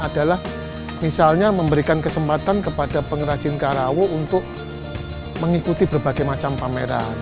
adalah misalnya memberikan kesempatan kepada pengrajin karawa untuk mengikuti berbagai macam pameran